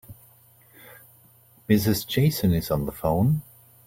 Mrs. Jason is on the phone.